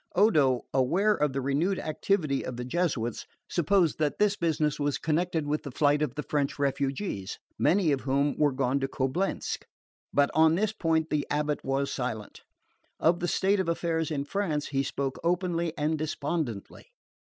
Odo, aware of the renewed activity of the Jesuits, supposed that this business was connected with the flight of the French refugees, many of whom were gone to Coblentz; but on this point the abate was silent. Of the state of affairs in France he spoke openly and despondently.